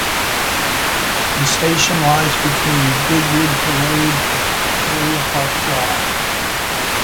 The station lies between Goodwood Parade and Victoria Park Drive.